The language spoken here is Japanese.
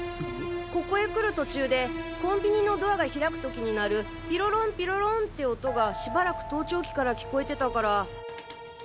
ここへ来る途中でコンビニのドアが開く時に鳴るピロロンピロロンって音がしばらく盗聴器から聞こえてたから。